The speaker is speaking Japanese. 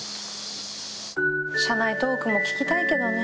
車内トークも聞きたいけどね。